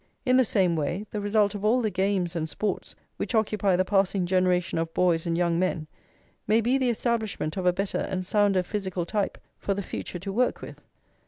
In the same way, the result of all the games and sports which occupy the passing generation of boys and young men may be the establishment of a better and sounder physical type for the future to work with.